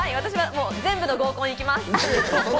全部の合コン行きます！